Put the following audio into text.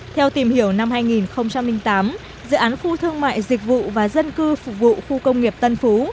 theo tìm hiểu năm hai nghìn tám dự án khu thương mại dịch vụ và dân cư phục vụ khu công nghiệp tân phú